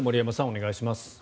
お願いします。